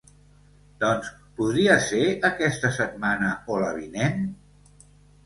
Doncs, podria ser aquesta setmana o la vinent?